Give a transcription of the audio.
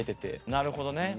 なるほどね。